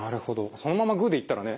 そのままグーでいったらね